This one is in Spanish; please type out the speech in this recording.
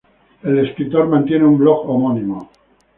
El escritor mantiene un blog homónimo.